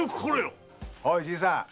おいじいさん。